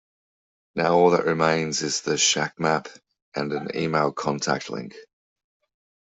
Now all that remains is the "shack map" and an email contact link.